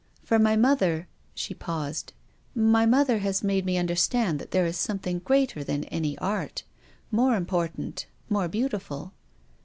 For my mother " She paused. " My mother has made me understand that there is something greater than any art, more important, more beautiful."